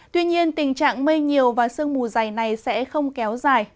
tuy nhiên tình trạng mây nhiều và sương mù dày này sẽ không kéo dài